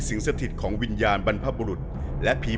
ชื่องนี้ชื่องนี้ชื่องนี้ชื่องนี้ชื่องนี้